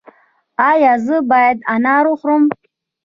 ایا زه باید انار وخورم؟